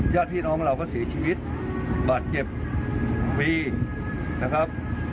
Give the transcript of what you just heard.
ญาติพี่น้องเราก็เสียชีวิตบาดเจ็บฟรีนะครับ